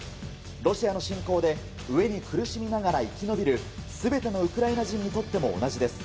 ロシアに侵攻で飢えに苦しみながら生き延びる全てのウクライナ人にとっても同じです。